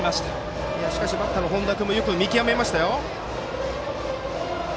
しかしバッターの本多君もよく見極めましたよ。